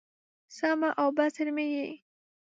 سمع او بصر مې یې